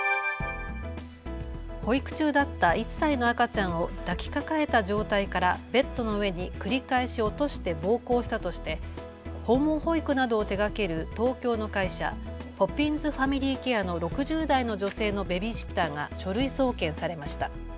保育中だった１歳の赤ちゃんを抱き抱えた状態からベッドの上に繰り返し落として暴行したとして訪問保育などを手がける東京の会社、ポピンズファミリーケアの６０代の女性のベビーシッターが書類送検されました。